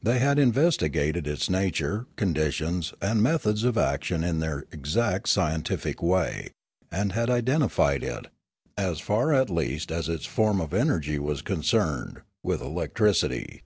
They had investigated its nature, conditions, and methods of action in their exact scientific way, and had identified it, as far at least as its form of energy was concerned, with elec tricity.